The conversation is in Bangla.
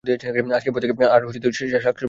আজকের পর থেকে আর শাকসবজি খেতে বলবে না।